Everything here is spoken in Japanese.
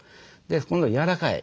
今度柔らかい。